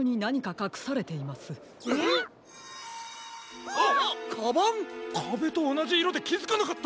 かべとおなじいろできづかなかった！